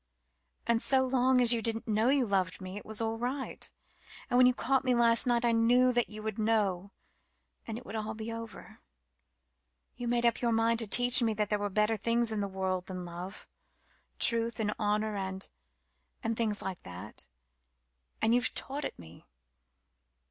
And so long as you didn't know you loved me it was all right: and when you caught me last night I knew that you would know, and it would be all over. You made up your mind to teach me that there are better things in the world than love truth and honour and and things like that. And you've taught it me.